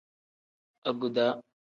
Aguda.